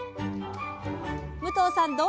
武藤さん